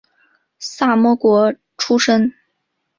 萨摩国出身。